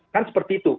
kan seperti itu